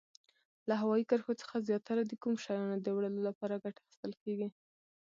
له هوایي کرښو څخه زیاتره د کوم شیانو د وړلو لپاره ګټه اخیستل کیږي؟